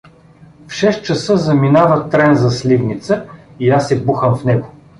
В шест часа заминава трен за Сливница и аз се бухам в него.